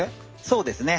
そうですね。